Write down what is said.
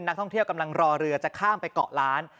นักท่องเที่ยวกำลังรอเรือจะข้ามไปเกาะล้าน